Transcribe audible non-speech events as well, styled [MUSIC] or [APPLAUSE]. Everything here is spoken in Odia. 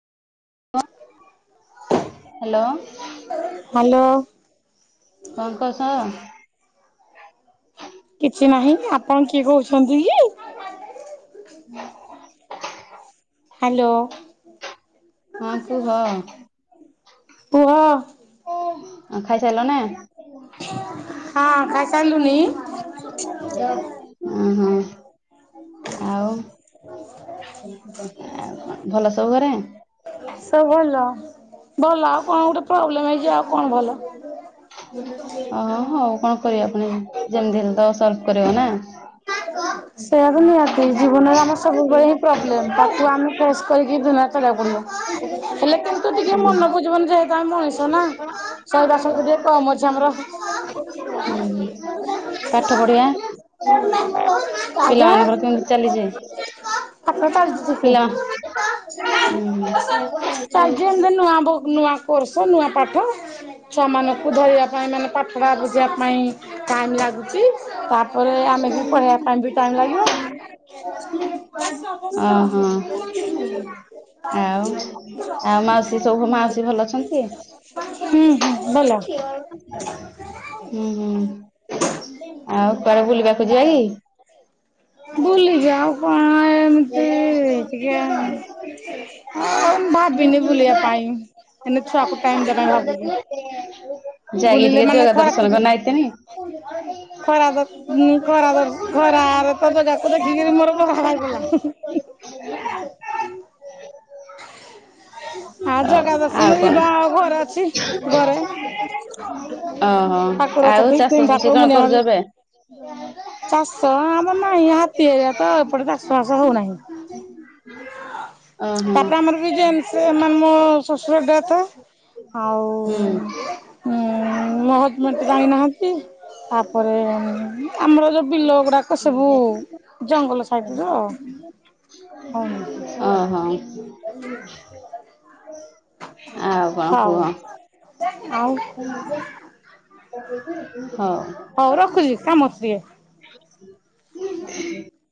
ହ୍ୟାଲୋ। ହ୍ୟାଲୋ। କଣ କରସ। କିଛି ନାହିଁ ଆପଣ କିଏ କହୁଛନ୍ତି କି? ହୁଁ। ହ୍ୟାଲୋ। ହଁ କୁହ? କୁହ। ଖାଇସାଇଲ ନେ। ହଁ ଖାଇ ସାଇଲୁନି। ଓହୋ ଆଉ। ହ ଆଉ କଣ ଭଲ ସବୁ ଘରେ? ସବୁ ଭଲ ଭଲ ଆଉ କଣ ଗୋଟେ ପ୍ରୋବ୍ଲେମ ହେଇଛି ଆଉ କଣ ଭଲ। ଓୋ ହଉ କଣ କରିବା ପୁଣି ଯେମିତି ହେଲେ ତ ସର୍ଭ କରିବ ନା। ସେଇଆ ତ ନିହାତି ଜୀବନରେ ଆମର ସବୁବେଳେ ହିଁ ପ୍ରୋବ୍ଲେମ ତାକୁ ଆମେ ଫେସ କରିକି ଦି ଉଁ। ମନ ବୁଝିବନି ଯେହେତୁ ଆମେ ମଣିଷ ପାଠ ନା। ଶହିବା ଶକ୍ତି ଟିକେ ପଢିଆ। କମ ଅଛି ଆମର। ପିଲା ମାନଙ୍କର କେମିତି ଆଜ୍ଞା। ଚାଲିଛି ପାଠ ଚାଲିଛି ଟିକେ। ପିଲା ଉଁ ହୁଁ ଚାଲିଛି ଏମତି ନୂଆ ବୁକ୍ ନୂଆ କୋର୍ସ ନୂଆ ପାଠ। ଛୁଆ ମାନଙ୍କୁ ଧରିବା ପାଇଁ ମାନେ ପାଠଟା ବୁଝିବା ପାଇଁ ଟାଇମ୍ ଲାଗୁଚି। ତାପରେ ଆମେବି ପଢେଇବା ପାଇଁବି ଟାଇମ୍ ଲାଗିବ। ଅଁହଁ। ଆଉ ଆଉ ମାଉସୀ ସବୁ ମାଉସୀ ଭଲ ଅଛନ୍ତି? ଉଁ ହୁଁ ଆଉ କୁଆଡ଼େ ବୁଲିବାକୁ ଯିବାକି? ବୁଲିଯିବା ଆଉ କଣ ଏମିତି ଟିକେ ହଁ ଭାବିନି ବୁଲିବା ପାଇଁ ଏଇନା ଛୁଆକୁ ଟାଇମ୍ ଦେବାପାଇଁ ଭାବିବି। ଯାଇକି ଟିକେ ଜଗା ଦର୍ଶନ ଛୁଟି କରନାତିନି? ଖରା ଦ, ଖରା ଦ, ଖରାରେ ତ ଜାଗାକୁ ଦେଖିକିରି ମୋର ବଘା ଭାରିପଡ଼ିଲା। [INAUDIBLE] ହା ଜଗା ଆଉ ଦର୍ଶନ କଣ। ଯିବା ଆଉ ଘରେ ଅଛି ଘରେ ଓହୋ ଠାକୁର ଆଉ ଚପେଇ ତିନି ଚାଷ ଠାକୁର ପୁଷି କଣ ମୁଣ୍ଡିଆ କରୁଚ ମାରିଲି। ଏବେ? [UNINTELLIGIBLE] ଚାଷ ଆମର ନାହିଁ ହାତୀ ହରିଆତ ଏପଟେ ଚାଷ ବାଷ ହଉନାହିଁ। [INAUDIBLE] ଓହୋ। ତାପରେ ଆମରବି ଯେନ୍୍ସ ସେମାନେ ମୋ ଶଶୁର ଡେଥ୍ ଆଉ ହୁଁ ମୋ ହଜ଼ବେଣ୍ତ ଯାଇନାହାନ୍ତି ତାପରେ ଆମର ଯଉ ବିଲ ଗୁଡ଼ାକ ସବୁ [INAUDIBLE] ଜଙ୍ଗଲ ସାଇଟର ହଉନି। ଓହୋ ଆଉ କଣ ହଉ କୁହ? ଆଉ ହୋଉ। ହଉ ରଖୁଚି କାମ ଅଛି ଟିକେ। ହୁଁ ହୁଁ।